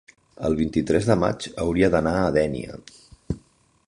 El vint-i-tres de maig hauria d'anar a Dénia.